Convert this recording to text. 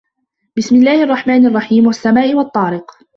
بِسمِ اللَّهِ الرَّحمنِ الرَّحيمِ وَالسَّماءِ وَالطّارِقِ